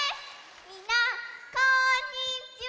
みんなこんにちは！